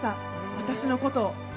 私のことを。